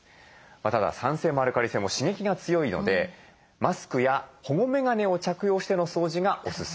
ただ酸性もアルカリ性も刺激が強いのでマスクや保護メガネを着用しての掃除がオススメです。